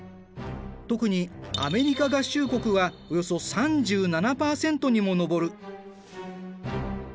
特にアメリカ合衆国はおよそ３７％にも上る。